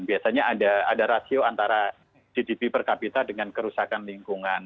biasanya ada rasio antara gdp per kapita dengan kerusakan lingkungan